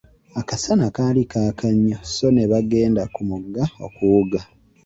Akasana kaali kaaka nnyo sso ne bagenda ku mugga okuwuga.